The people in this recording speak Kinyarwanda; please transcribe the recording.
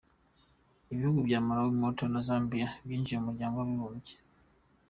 Ibihugu bya Malawi, Malta na Zambia byinjiye mu muryango w’abibumbye.